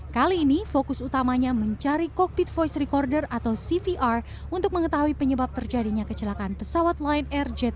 kali ini fokus utamanya mencari cockpit voice recorder atau cvr untuk mengetahui penyebab terjadinya kecelakaan pesawat lion air jt